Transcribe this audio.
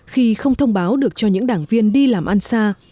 khi không thông báo được cho những đảng viên đi làm ăn xa